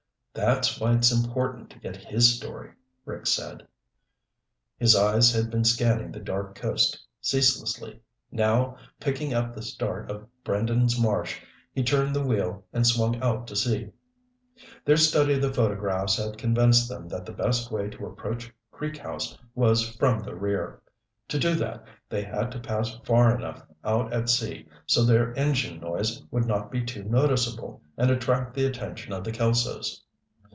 "That's why it's important to get his story," Rick said. His eyes had been scanning the dark coast line ceaselessly. Now, picking up the start of Brendan's Marsh, he turned the wheel and swung out to sea. Their study of the photographs had convinced them that the best way to approach Creek House was from the rear. To do that, they had to pass far enough out at sea so their engine noise would not be too noticeable and attract the attention of the Kelsos.